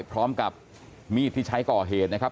พร้อมกับมีดที่ใช้ก่อเหตุนะครับ